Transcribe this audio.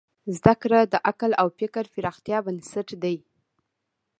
زدهکړه د عقل او فکر پراختیا بنسټ دی.